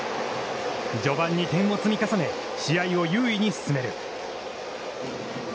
序盤に点を積み重ね試合を優位に進める。